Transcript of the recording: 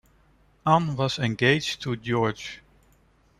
Ann was engaged to George.